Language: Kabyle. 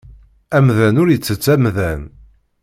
Amdan ur ittett amdan.